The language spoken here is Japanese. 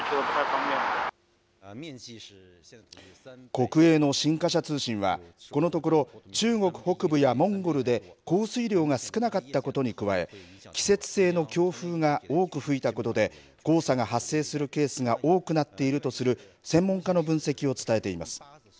国営の新華社通信は、このところ、中国北部やモンゴルで降水量が少なかったことに加え、季節性の強風が多く吹いたことで、黄砂が発生するケースが多くなっているとする専門家の分析を伝えています。